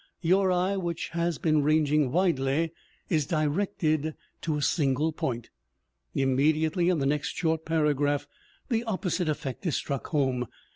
Your eye, which has been ranging widely, is directed to a single point. Immediately, in the next short paragraph, the oppo site effect is struck home.